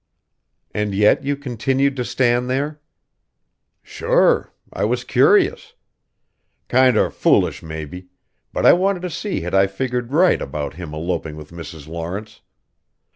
"And yet you continued to stand there?" "Sure I was curious. Kinder foolish, maybe, but I wanted to see had I figured right about him eloping with Mrs. Lawrence.